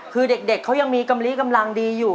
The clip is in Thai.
คือเด็กเขายังมีกำลีกำลังดีอยู่